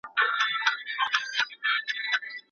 که ته وغواړې نو زه به ستا لپاره ډوډۍ پخه کړم.